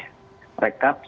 rekap selama sehari hari ya